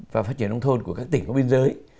và phát triển nông thôn của các tỉnh có biên giới